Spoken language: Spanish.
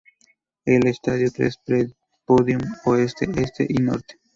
El estadio tres podium: Oeste, Este y Norte.